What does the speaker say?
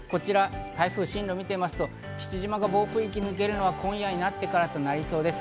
台風の進路を見てみると、父島が暴風域を抜けるのは今夜になってからとなりそうです。